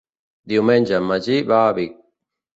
Diumenge en Magí va a Vic.